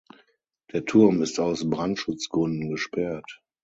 Der Turm ist aus Brandschutzgründen gesperrt.